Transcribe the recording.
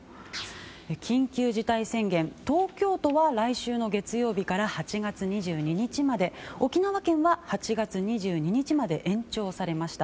緊急事態宣言、東京都は来週の月曜日から８月２２日まで沖縄県は８月２２日まで延長されました。